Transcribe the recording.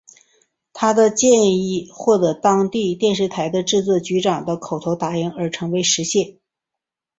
他的建议获得当时电视台的制作局长的口头答应而成功实现。